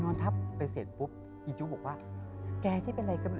ทับไปเสร็จปุ๊บอีจู้บอกว่าแกฉันเป็นอะไรกัน